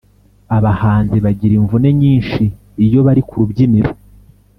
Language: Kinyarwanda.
Abahanzi bagira imvune nyinshi iyo bari ku rubyiniro